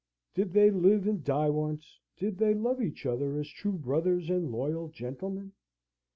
Did they live and die once? Did they love each other as true brothers, and loyal gentlemen?